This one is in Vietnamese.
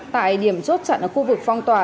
tại điểm chốt chặn ở khu vực phong tỏa